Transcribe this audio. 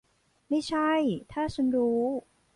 ไม่ใช่ถ้าฉันรู้ !